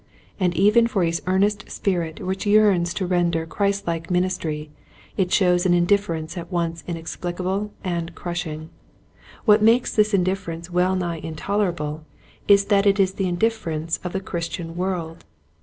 And even for his earnest spirit which yearns to render Christ like ministry it shows an indifference at once inexplicable and crushing. What makes this indifference well nigh intolerable is 1 8 Quiet Hints to Growing Preachers. that it is the indifference of the Christian world.